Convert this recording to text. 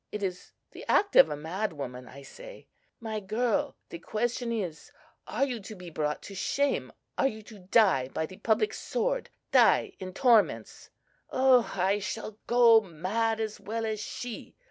It is the act of a mad woman. I say, 'My girl, the question is, Are you to be brought to shame? are you to die by the public sword? die in torments?' Oh, I shall go mad as well as she!"